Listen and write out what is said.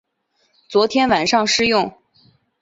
昨天晚上试用